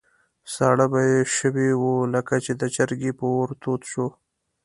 ساړه به یې شوي وو، لکه چې د چرګۍ په اور تود شو.